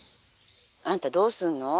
「あんたどうすんの？